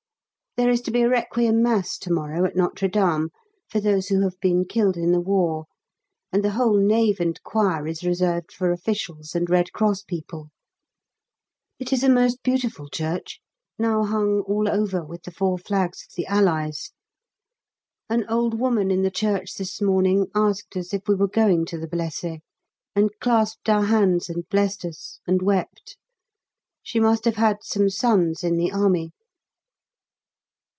There is to be a Requiem Mass to morrow at Notre Dame for those who have been killed in the war, and the whole nave and choir is reserved for officials and Red Cross people. It is a most beautiful church, now hung all over with the four flags of the Allies. An old woman in the church this morning asked us if we were going to the Blessés, and clasped our hands and blessed us and wept. She must have had some sons in the army.